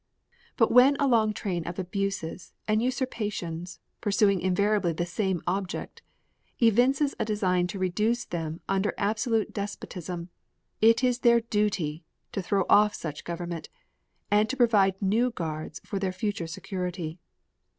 But when a long train of abuses and usurpations, pursuing invariably the same object, evinces a design to reduce them under absolute despotism, it is their duty to throw off such government, and to provide new guards for their future security.